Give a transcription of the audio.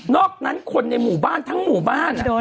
อกนั้นคนในหมู่บ้านทั้งหมู่บ้าน